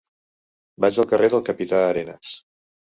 Vaig al carrer del Capità Arenas.